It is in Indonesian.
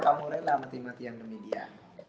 kamu rela mati mati yang demikian